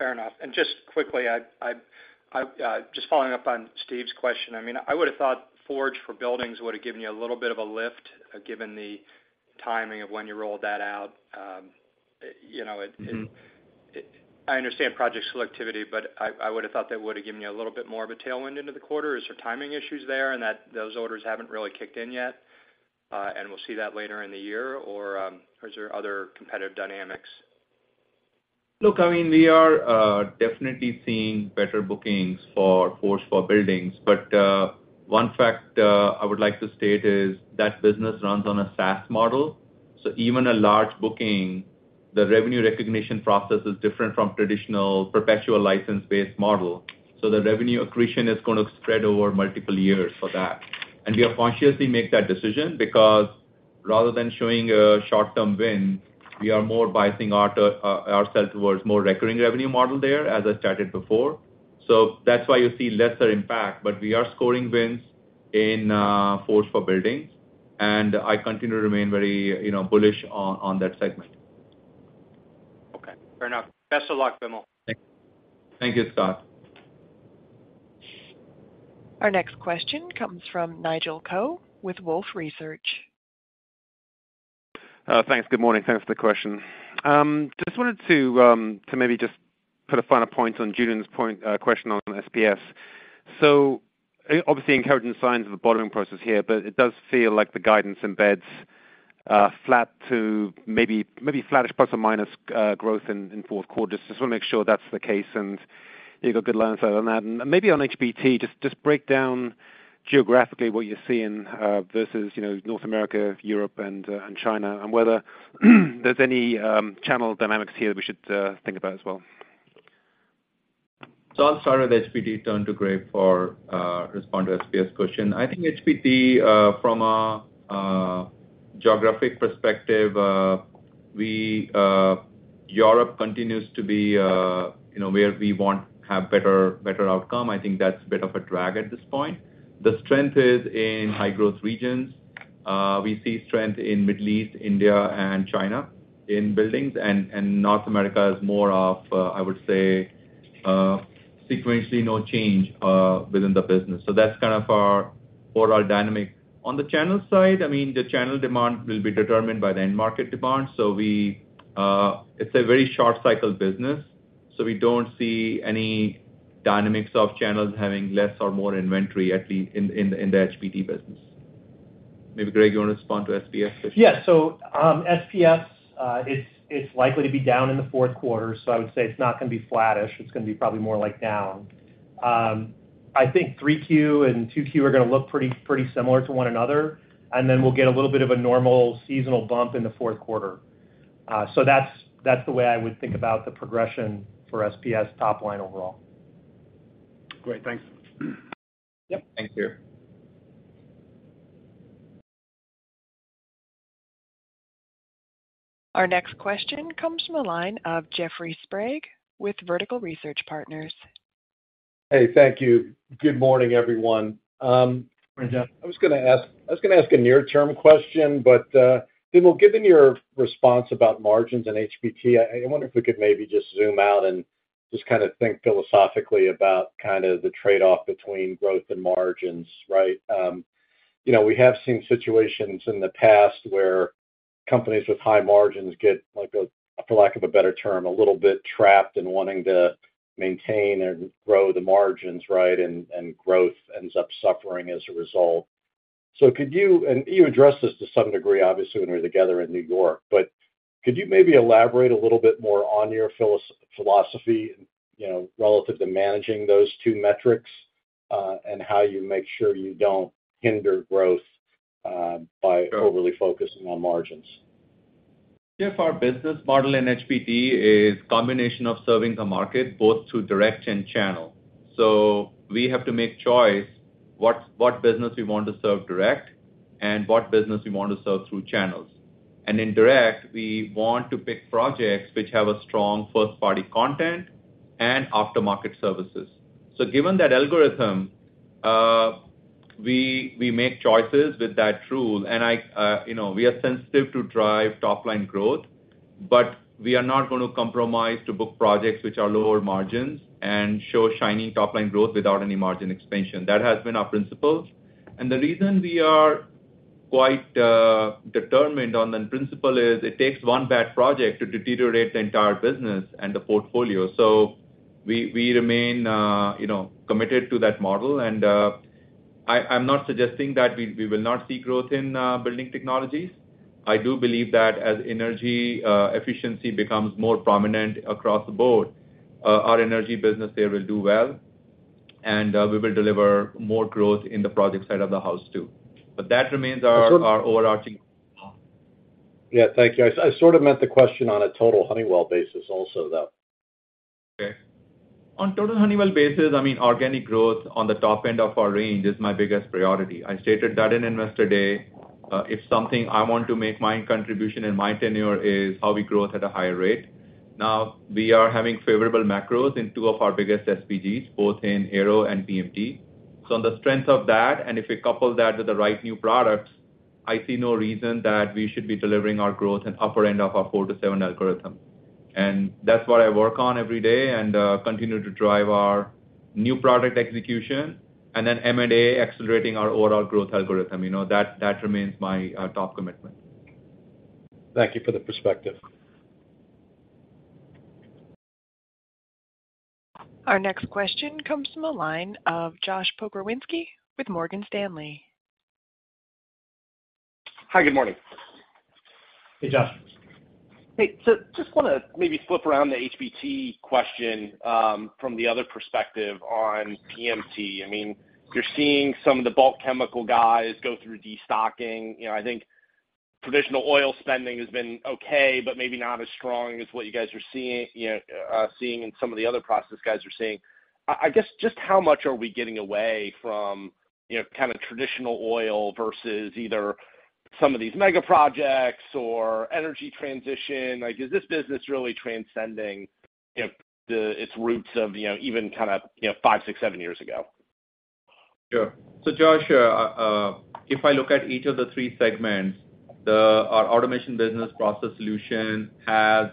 Okay, fair enough. just quickly, I just following up on Steve's question, I mean, I would've thought Forge for Buildings would've given you a little bit of a lift, given the timing of when you rolled that out. you know. Mm-hmm. I understand project selectivity, but I would've thought that would've given you a little bit more of a tailwind into the quarter. Is there timing issues there, and that those orders haven't really kicked in yet, and we'll see that later in the year, or, is there other competitive dynamics? Look, I mean, we are definitely seeing better bookings for Forge for Buildings, but one fact I would like to state is that business runs on a SaaS model, so even a large booking, the revenue recognition process is different from traditional perpetual license-based model. The revenue accretion is gonna spread over multiple years for that. We have consciously make that decision because rather than showing a short-term win, we are more biasing ourself towards more recurring revenue model there, as I stated before. That's why you see lesser impact. We are scoring wins in Forge for Buildings, and I continue to remain very, you know, bullish on that segment. Okay, fair enough. Best of luck, Vimal. Thank you, Scott. Our next question comes from Nigel Coe with Wolfe Research. Thanks. Good morning. Thanks for the question. Just wanted to maybe just put a finer point on Julian's question on SPS. Obviously, encouraging signs of the bottoming process here, but it does feel like the guidance embeds flat to maybe flattish ± growth in fourth quarter. Just want to make sure that's the case, and you've got good lines on that. Maybe on HBT, just break down geographically what you're seeing versus, you know, North America, Europe, and China, and whether there's any channel dynamics here that we should think about as well. I'll start with HBT, turn to Greg for respond to SPS question. I think HBT from a geographic perspective, Europe continues to be, you know, where we want to have better, better outcome. I think that's a bit of a drag at this point. The strength is in high growth regions. We see strength in Middle East, India and China, in buildings, and North America is more of, I would say, sequentially no change within the business. That's kind of our, for our dynamic. On the channel side, I mean, the channel demand will be determined by the end market demand. We, it's a very short cycle business, so we don't see any dynamics of channels having less or more inventory, at least in the HBT business. Maybe, Greg, you want to respond to SPS question? Yes. SPS, it's likely to be down in the fourth quarter, I would say it's not gonna be flattish, it's gonna be probably more like down. I think 3Q and 2Q are gonna look pretty similar to one another, we'll get a little bit of a normal seasonal bump in the fourth quarter. That's the way I would think about the progression for SPS top line overall. Great. Thanks. Yep. Thank you. Our next question comes from the line of Jeffrey Sprague with Vertical Research Partners. Hey, thank you. Good morning, everyone. Hi, Jeff. I was gonna ask, I was gonna ask a near-term question, Vimal, given your response about margins and HBT, I, I wonder if we could maybe just zoom out and just kind of think philosophically about kind of the trade-off between growth and margins, right? you know, we have seen situations in the past where companies with high margins get like a, for lack of a better term, a little bit trapped in wanting to maintain and grow the margins, right? growth ends up suffering as a result. could you, and you addressed this to some degree, obviously, when we were together in New York, but could you maybe elaborate a little bit more on your philosophy, you know, relative to managing those two metrics, and how you make sure you don't hinder growth, by overly focusing on margins? Yeah, our business model in HBT is combination of serving the market, both through direct and channel. We have to make choice what business we want to serve direct and what business we want to serve through channels. In direct, we want to pick projects which have a strong first-party content and aftermarket services. Given that algorithm, We make choices with that rule, and I, you know, we are sensitive to drive top-line growth. We are not gonna compromise to book projects which are lower margins and show shiny top-line growth without any margin expansion. That has been our principles. The reason we are quite determined on the principle is, it takes one bad project to deteriorate the entire business and the portfolio. We remain, you know, committed to that model, and I'm not suggesting that we will not see growth in Building Technologies. I do believe that as energy efficiency becomes more prominent across the board, our energy business there will do well, and we will deliver more growth in the project side of the house, too. That remains our overarching. Yeah, thank you. I sort of meant the question on a total Honeywell basis also, though. Okay. On total Honeywell basis, I mean, organic growth on the top end of our range is my biggest priority. I stated that in Investor Day. If something I want to make my contribution in my tenure is how we grow at a higher rate. Now, we are having favorable macros in two of our biggest SPGs, both in Aero and PMT. On the strength of that, and if we couple that with the right new products, I see no reason that we should be delivering our growth in upper end of our four-seven algorithm. That's what I work on every day and continue to drive our new product execution and then M&A accelerating our overall growth algorithm. You know, that remains my top commitment. Thank you for the perspective. Our next question comes from the line of Josh Pokrzywinski with Morgan Stanley. Hi, good morning. Hey, Josh. Hey, just wanna maybe flip around the HBT question from the other perspective on PMT. I mean, you're seeing some of the bulk chemical guys go through destocking. You know, I think traditional oil spending has been okay, but maybe not as strong as what you guys are seeing, you know, seeing in some of the other process guys are seeing. I guess, just how much are we getting away from, you know, kind of traditional oil versus either some of these mega projects or energy transition? Like, is this business really transcending, you know, its roots of, you know, even kind of, you know, five, six, seven years ago? Sure. Josh, if I look at each of the three segments, our automation business Process Solutions has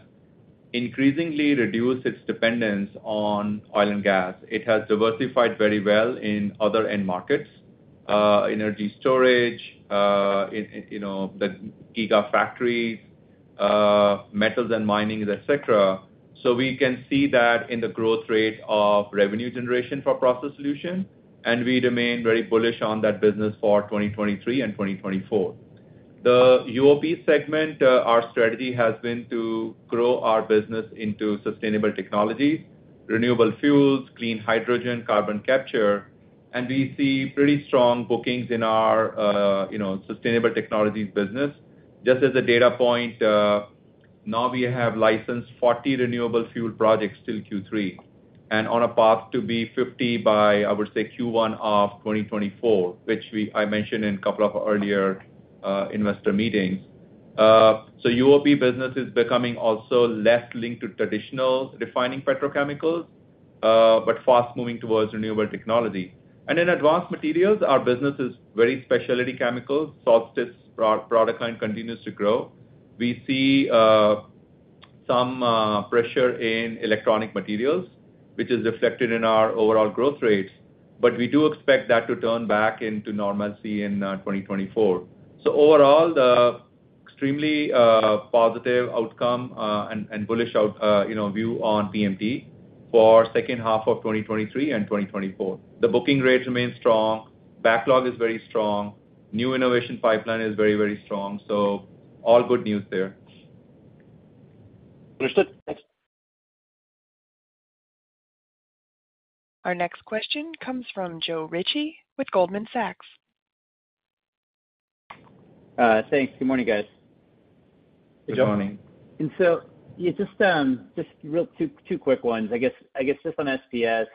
increasingly reduced its dependence on oil and gas. It has diversified very well in other end markets, energy storage, in, you know, the gigafactory, metals and minings, et cetera. We can see that in the growth rate of revenue generation for Process Solutions, and we remain very bullish on that business for 2023 and 2024. The UOP segment, our strategy has been to grow our business into Sustainable Technologies, renewable fuels, clean hydrogen, carbon capture, and we see pretty strong bookings in our, you know, Sustainable Technologies business. Just as a data point, now we have licensed 40 renewable fuel projects till Q3, and on a path to be 50 by, I would say, Q1 of 2024, which I mentioned in a couple of earlier investor meetings. UOP business is becoming also less linked to traditional refining petrochemicals, but fast moving towards renewable technology. In Advanced Materials, our business is very specialty chemicals. Solstice product line continues to grow. We see some pressure in electronic materials, which is reflected in our overall growth rates, but we do expect that to turn back into normalcy in 2024. Overall, the extremely positive outcome, and bullish out, you know, view on PMT for second half of 2023 and 2024. The booking rates remain strong, backlog is very strong. New innovation pipeline is very, very strong, so all good news there. Understood. Thanks. Our next question comes from Joe Ritchie with Goldman Sachs. Thanks. Good morning, guys. Good morning. Yeah, just real two quick ones, I guess just on SPS,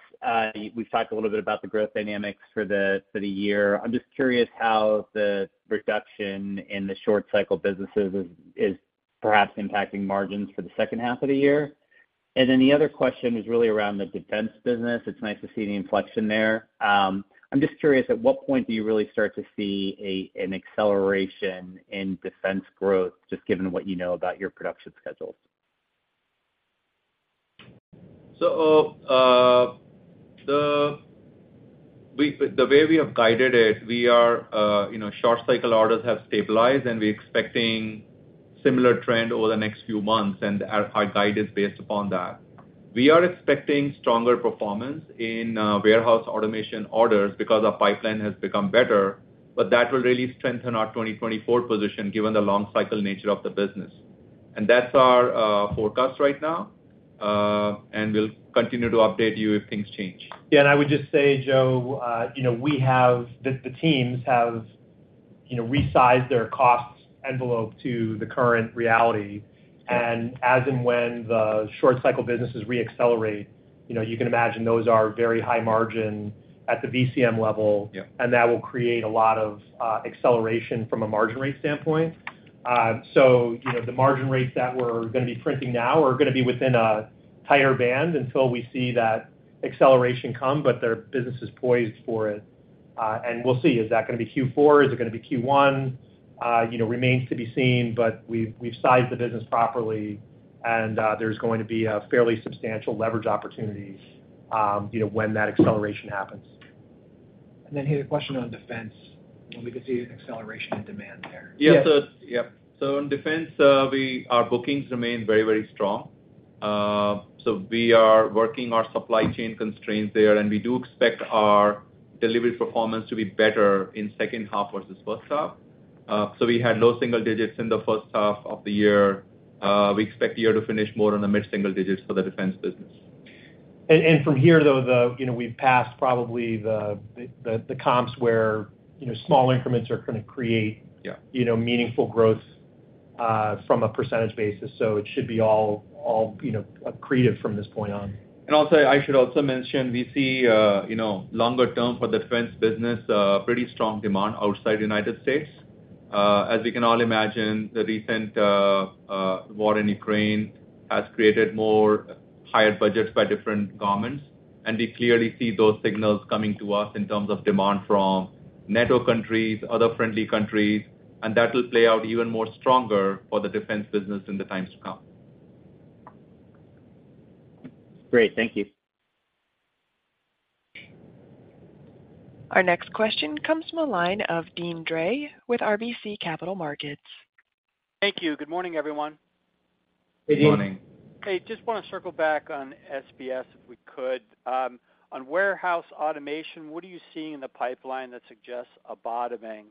we've talked a little bit about the growth dynamics for the, for the year. I'm just curious how the reduction in the short cycle businesses is perhaps impacting margins for the second half of the year? The other question is really around the defense business. It's nice to see the inflection there. I'm just curious, at what point do you really start to see a, an acceleration in defense growth, just given what you know about your production schedules? The way we have guided it, we are, you know, short cycle orders have stabilized, and we're expecting similar trend over the next few months, and our guide is based upon that. We are expecting stronger performance in warehouse automation orders because our pipeline has become better, but that will really strengthen our 2024 position, given the long cycle nature of the business. That's our forecast right now, and we'll continue to update you if things change. Yeah, I would just say, Joe, you know, the teams have, you know, resized their costs envelope to the current reality. As and when the short cycle businesses reaccelerate, you know, you can imagine those are very high margin at the VCM level. Yeah. That will create a lot of acceleration from a margin rate standpoint. You know, the margin rates that we're gonna be printing now are gonna be within a tighter band until we see that acceleration come, their business is poised for it. And we'll see, is that gonna be Q4? Is it gonna be Q1? You know, remains to be seen, but we've, we've sized the business properly, and there's going to be a fairly substantial leverage opportunities, you know, when that acceleration happens. Here's a question on defense, when we could see an acceleration in demand there. Yes. Yeah. yep, our bookings remain very, very strong. We are working our supply chain constraints there, and we do expect our delivery performance to be better in second half versus first half. We had low single digits in the first half of the year. We expect the year to finish more on the mid-single digits for the defense business. From here, though, you know, we've passed probably the comps where, you know, small increments are gonna. Yeah you know, meaningful growth, from a percentage basis. It should be all, you know, accretive from this point on. I should also mention, we see, you know, longer term for the defense business, pretty strong demand outside United States. As you can all imagine, the recent war in Ukraine has created more higher budgets by different governments, and we clearly see those signals coming to us in terms of demand from NATO countries, other friendly countries, and that will play out even more stronger for the defense business in the times to come. Great. Thank you. Our next question comes from the line of Deane Dray with RBC Capital Markets. Thank you. Good morning, everyone. Good morning. Good morning. Hey, just want to circle back on SPS, if we could. On warehouse automation, what are you seeing in the pipeline that suggests a bottoming?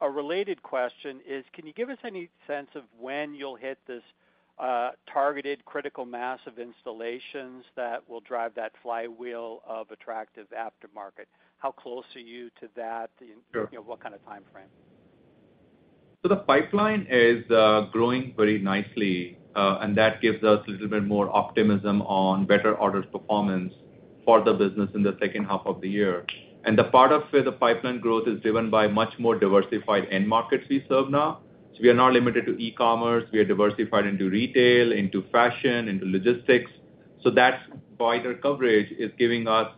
A related question is, can you give us any sense of when you'll hit this targeted critical mass of installations that will drive that flywheel of attractive aftermarket? How close are you to that? Sure you know, what kind of timeframe? The pipeline is growing very nicely, and that gives us a little bit more optimism on better orders performance for the business in the second half of the year. The part of where the pipeline growth is driven by much more diversified end markets we serve now. We are not limited to e-commerce, we are diversified into retail, into fashion, into logistics. That wider coverage is giving us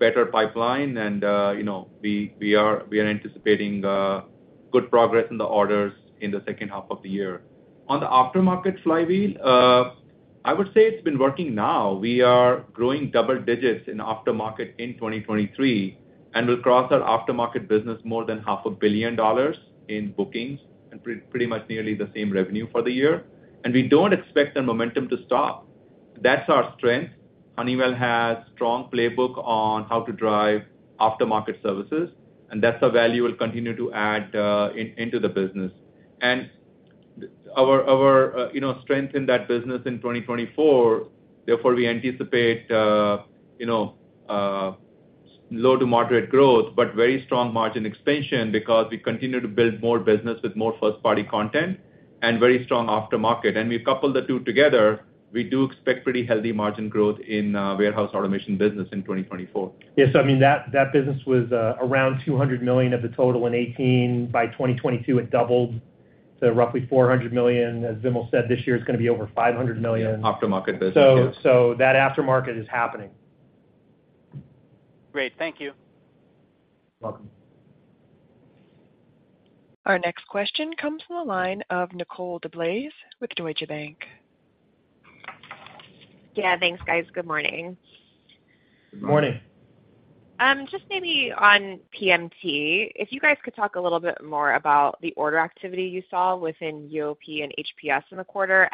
better pipeline, and, you know, we are anticipating good progress in the orders in the second half of the year. On the aftermarket flywheel, I would say it's been working now. We are growing double digits in aftermarket in 2023, and we'll cross our aftermarket business more than half a billion dollars in bookings, and pretty much nearly the same revenue for the year. We don't expect the momentum to stop. That's our strength. Honeywell has strong playbook on how to drive aftermarket services, and that's the value we'll continue to add, into the business. Our, our, you know, strength in that business in 2024, therefore, we anticipate, you know, low to moderate growth, but very strong margin expansion because we continue to build more business with more first-party content and very strong aftermarket. We couple the two together, we do expect pretty healthy margin growth in warehouse automation business in 2024. I mean, that, that business was around $200 million of the total in 2018. By 2022, it doubled to roughly $400 million. As Vimal said, this year is gonna be over $500 million. Yeah, aftermarket business. That aftermarket is happening. Great. Thank you. Welcome. Our next question comes from the line of Nicole DeBlase with Deutsche Bank. Yeah, thanks, guys. Good morning. Good morning. Good morning. Just maybe on PMT, if you guys could talk a little bit more about the order activity you saw within UOP and HPS in the quarter.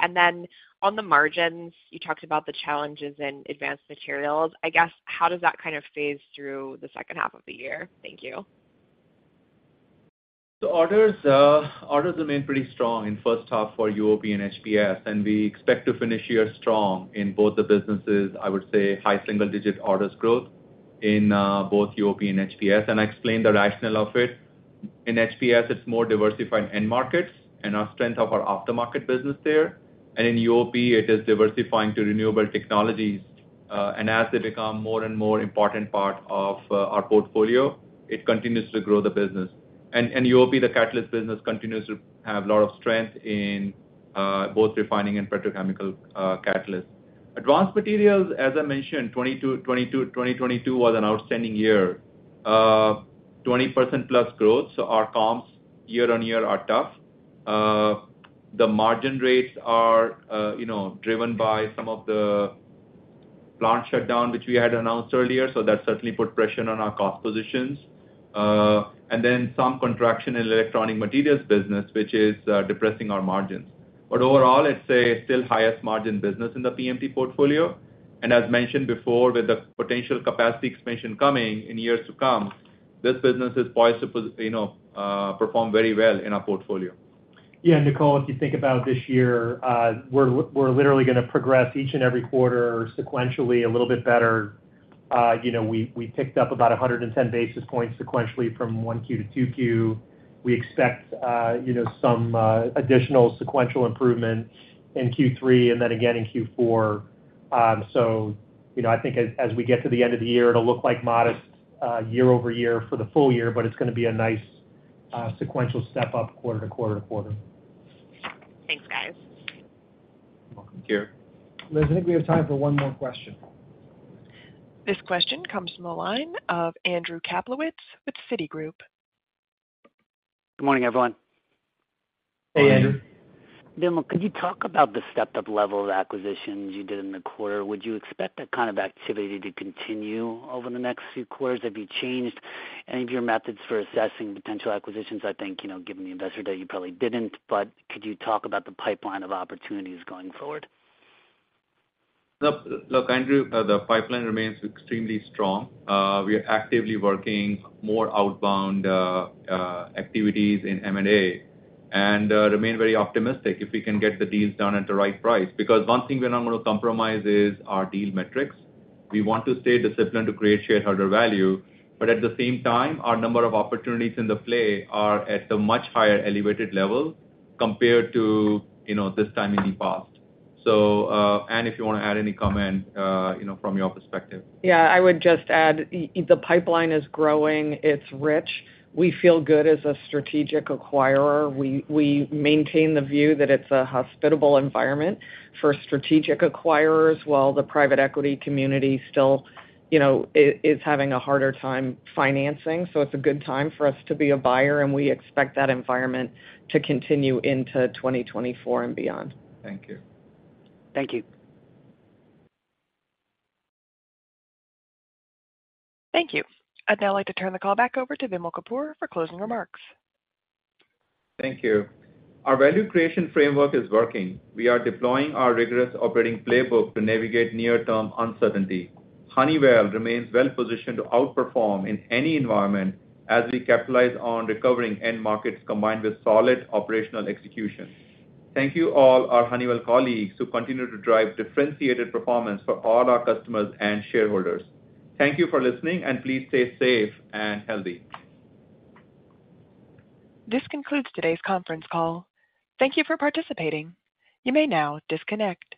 On the margins, you talked about the challenges in Advanced Materials. I guess, how does that kind of phase through the second half of the year? Thank you. Orders remain pretty strong in first half for UOP and HPS, and we expect to finish the year strong in both the businesses. I would say high single-digit orders growth in both UOP and HPS, and I explained the rationale of it. In HPS, it's more diversified end markets and our strength of our aftermarket business there. In UOP, it is diversifying to renewable technologies, and as they become more and more important part of our portfolio, it continues to grow the business. UOP, the catalyst business, continues to have a lot of strength in both refining and petrochemical catalyst. Advanced Materials, as I mentioned, 2022 was an outstanding year, 20%+ growth, so our comps year-on-year are tough. The margin rates are, you know, driven by some of the plant shutdown, which we had announced earlier, so that certainly put pressure on our cost positions. Some contraction in electronic materials business, which is depressing our margins. Overall, it's a still highest margin business in the PMT portfolio, and as mentioned before, with the potential capacity expansion coming in years to come, this business is poised to, you know, perform very well in our portfolio. Nicole, if you think about this year, we're literally gonna progress each and every quarter sequentially a little bit better. you know, we, we picked up about 110 basis points sequentially from 1Q to 2Q. We expect, you know, some additional sequential improvement in Q3 and then again in Q4. you know, I think as, as we get to the end of the year, it'll look like modest, year-over-year for the full year, but it's gonna be a nice, sequential step up quarter-to-quarter-to-quarter. Thanks, guys. Welcome. Thank you. Liz, I think we have time for one more question. This question comes from the line of Andrew Kaplowitz with Citigroup. Good morning, everyone. Hey, Andrew. Vimal, could you talk about the stepped-up level of acquisitions you did in the quarter? Would you expect that kind of activity to continue over the next few quarters? Have you changed any of your methods for assessing potential acquisitions? I think, you know, given the Investor Day, you probably didn't, but could you talk about the pipeline of opportunities going forward? Look, Andrew, the pipeline remains extremely strong. We are actively working more outbound activities in M&A, and remain very optimistic if we can get the deals done at the right price. One thing we're not gonna compromise is our deal metrics. We want to stay disciplined to create shareholder value, but at the same time, our number of opportunities in the play are at a much higher elevated level compared to, you know, this time in the past. Anne, if you wanna add any comment, you know, from your perspective. I would just add, the pipeline is growing. It's rich. We feel good as a strategic acquirer. We maintain the view that it's a hospitable environment for strategic acquirers, while the private equity community still, you know, is having a harder time financing. It's a good time for us to be a buyer, and we expect that environment to continue into 2024 and beyond. Thank you. Thank you. Thank you. I'd now like to turn the call back over to Vimal Kapur for closing remarks. Thank you. Our value creation framework is working. We are deploying our rigorous operating playbook to navigate near-term uncertainty. Honeywell remains well positioned to outperform in any environment as we capitalize on recovering end markets, combined with solid operational execution. Thank you, all our Honeywell colleagues, who continue to drive differentiated performance for all our customers and shareholders. Thank you for listening, and please stay safe and healthy. This concludes today's conference call. Thank You for participating. You may now disconnect.